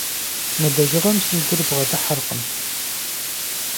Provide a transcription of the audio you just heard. Мы лэжьыгъэм си гур бгъэдыхьэркъым.